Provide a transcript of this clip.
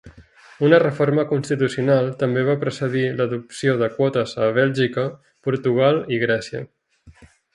Una reforma constitucional també va precedir l'adopció de quotes a Bèlgica, Portugal i Grècia.